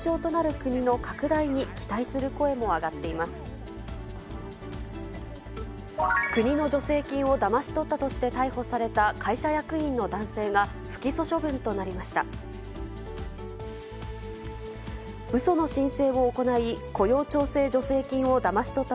国の助成金をだまし取ったとして逮捕された会社役員の男性が、不起訴処分となりました。